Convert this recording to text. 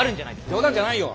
冗談じゃないよ！